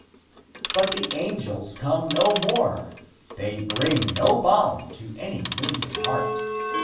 But the angels come no more. They bring no balm to any wounded heart.